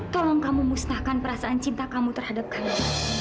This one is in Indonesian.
tolong kamu musnahkan perasaan cinta kamu terhadap kamu